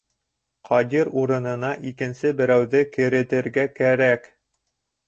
Ҡадир урынына икенсе берәүҙе керетергә кәрәк.